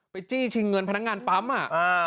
จี้ชิงเงินพนักงานปั๊มอ่ะ